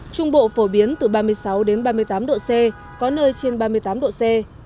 trung bộ phổ biến từ ba mươi sáu đến ba mươi tám độ c có nơi trên ba mươi tám độ c